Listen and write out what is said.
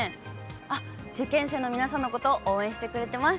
あっ、受験生の皆さんのこと、応援してくれてます。